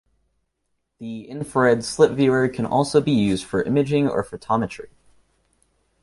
The infrared slit viewer can also be used for imaging or photometry.